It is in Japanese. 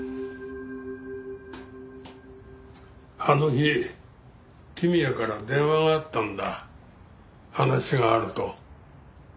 あの日公也から電話があったんだ話があると。